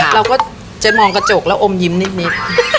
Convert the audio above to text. เราก็จะมองกระจกแล้วอมยิ้มนิด